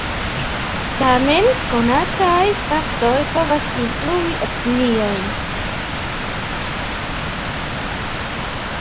Tamen, konataj faktoj povas influi opiniojn.